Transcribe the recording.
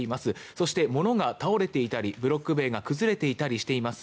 そして、物が倒れていたりブロック塀が崩れていたりしています。